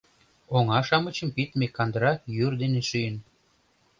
Оҥа-шамычым пидме кандыра йӱр дене шӱйын.